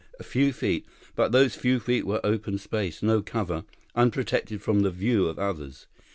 A few feet, but those few feet were open space, no cover, unprotected from the view of others.